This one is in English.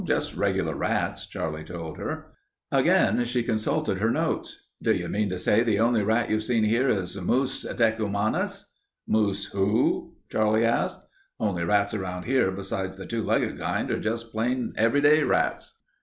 "Just regular rats," Charlie told her. Again she consulted her notes. "Do you mean to say the only rat you've seen here is Mus decumanus?" "Mus who?" Charlie asked. "Only rats around here besides the two legged kind are just plain everyday rats."